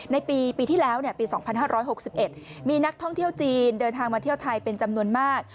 ในปีที่แล้วปี๒๕๖๑มีนักท่องเที่ยวจีนเดินทางมาเที่ยวไทยเป็นจำนวนมาก